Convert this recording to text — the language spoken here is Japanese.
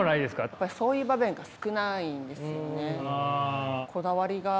やっぱりそういう場面が少ないんですよね。